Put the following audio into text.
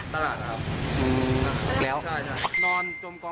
เดินหน่อยค่ะ